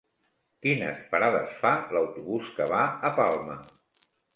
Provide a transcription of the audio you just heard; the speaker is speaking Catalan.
Quines parades fa l'autobús que va a Palma?